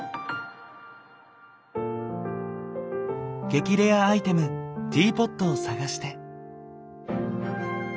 激レアアイテムティーポットを探して。